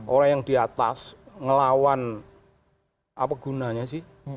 orang yang di atas ngelawan apa gunanya sih